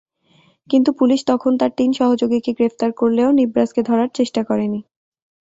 কিন্তু পুলিশ তখন তাঁর তিন সহযোগীকে গ্রেপ্তার করলেও নিবরাসকে ধরার চেষ্টা করেনি।